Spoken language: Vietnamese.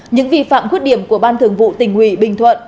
những vi phạm khuyết điểm của ban thường vụ tỉnh ủy bình thuận